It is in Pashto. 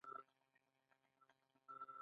او ملا ډېر زور نۀ راځي -